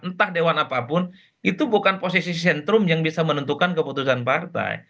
entah dewan apapun itu bukan posisi sentrum yang bisa menentukan keputusan partai